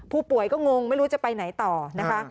ผู้ป่วยก็งงไม่รู้จะไปไหนต่อนะคะ